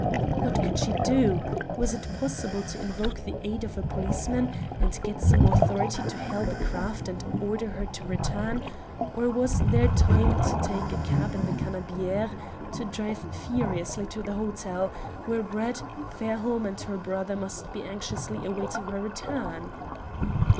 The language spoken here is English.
What could she do? Was it possible to invoke the aid of a policeman and get some authority to hail the craft and order her to return, or was there time to take a cab in the Cannebiere and drive furiously to the hotel, where Brett, Fairholme, and her brother must be anxiously awaiting her return?